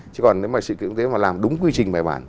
chứ còn nếu mà sự kiện quốc tế mà làm đúng quy trình bài bản